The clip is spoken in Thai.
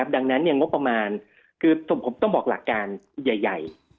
ดังนั้นงบประมาณคือผมต้องบอกหลักการใหญ่